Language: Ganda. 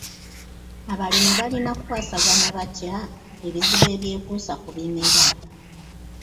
Abalimi balina kukwasaganya batya ebizibu ebyekuusa ku bimera?